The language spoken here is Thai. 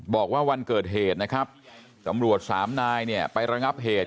บอกว่าวันเกิดเหตุนะครับตำรวจสามนายเนี่ยไประงับเหตุ